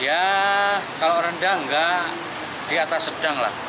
ya kalau rendah enggak di atas sedang lah